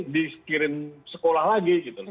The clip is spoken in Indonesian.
diskirin sekolah lagi gitu